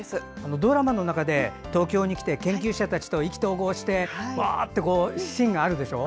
ドラマの中で東京へ来て研究者と意気投合してわー！っていうシーンがあるでしょ。